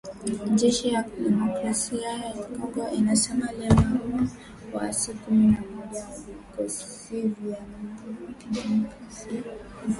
Jeshi la Jamuhuri ya kidemokrasia ya Kongo linasema limeua waasi kumi na mmoja wa Vikosi vya Muungano wa Kidemokrasia